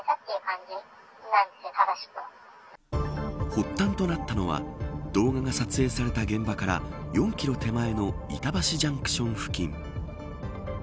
発端となったのは動画が撮影された現場から４キロ手前の板橋ジャンクション付近。